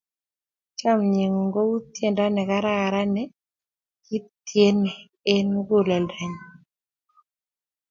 Chomye ng'ung' kou tyendo ne kararan ne kityenei eng' muguleldanyu.